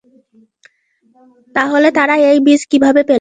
তাহলে তারা এই বীজ কীভাবে পেলো?